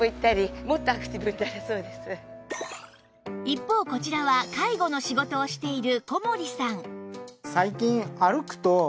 一方こちらは介護の仕事をしている小森さん